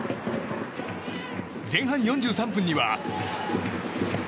前半４３分には。